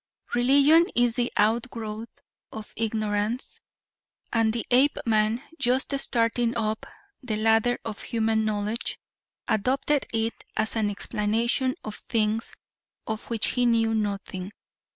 "Religion is the outgrowth of ignorance and the Apeman, just starting up the ladder of human knowledge, adopted it as an explanation of things of which he knew nothing.